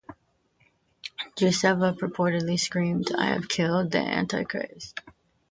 Guseva purportedly screamed I have killed the Antichrist!